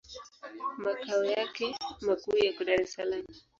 Makao yake makuu yako Dar es Salaam.